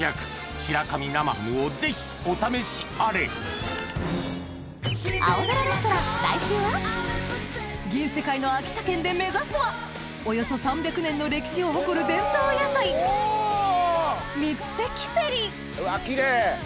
白神生ハムをぜひお試しあれ銀世界の秋田県で目指すはおよそ３００年の歴史を誇る伝統野菜三関せりうわっキレイ！